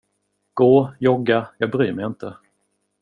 Gå, jogga, jag bryr mig inte.